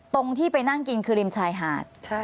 ตรงที่ไปนั่งกินคือริมชายหาด